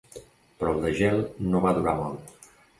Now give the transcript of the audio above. Però el desgel no va durar molt.